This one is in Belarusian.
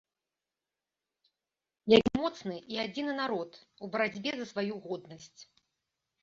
Які моцны і адзіны народ у барацьбе за сваю годнасць.